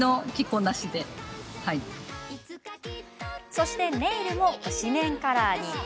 そしてネイルも推しメンカラーに。